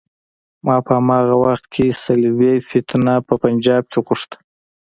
ما په هماغه وخت کې صلیبي فتنه په پنجاب کې غوښته.